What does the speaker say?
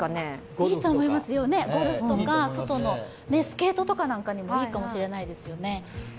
いいと思いますよ、ゴルフとか外の、スケートなんかにもいいかもしれないですね。